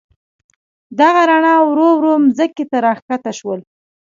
دغه رڼا ورو ورو مځکې ته راکښته شول.